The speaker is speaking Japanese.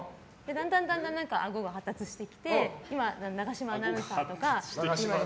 だんだん、あごが発達してきて今は永島アナウンサーとか。